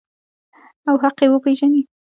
او حق یې وپیژني.